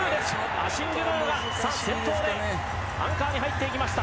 アシング・ムーは先頭でアンカーに入っていきました。